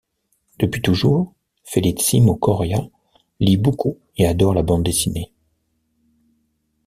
Depuis toujours, Felicísimo Coria lit beaucoup et adore la bande dessinée.